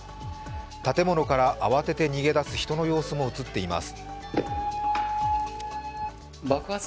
建物から慌てて逃げ出す人の様子も映っています。